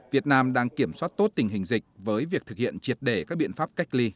việt nam đang kiểm soát tốt tình hình dịch với việc thực hiện triệt để các biện pháp cách ly